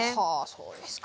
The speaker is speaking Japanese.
そうですか。